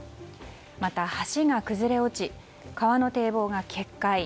また、橋が崩れ落ち川の堤防が決壊。